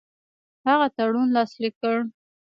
هغه تړون لاسلیک کړ.